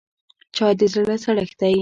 چای د زړه سړښت دی